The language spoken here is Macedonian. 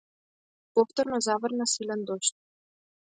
Повторно заврна силен дожд.